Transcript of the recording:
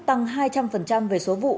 tăng hai trăm linh về số vụ